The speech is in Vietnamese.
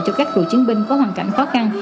cho các cựu chiến binh có hoàn cảnh khó khăn